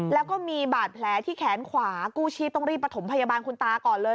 แล้วก็มีบาดแผลที่แขนขวากู้ชีพต้องรีบประถมพยาบาลคุณตาก่อนเลย